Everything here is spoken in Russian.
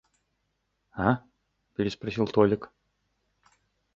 — А? — переспросил Толик.